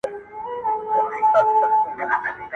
قدردانو کي مي ځان قدردان وینم,